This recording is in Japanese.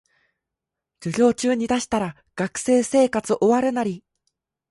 授業中に出したら学生生活終わるナリ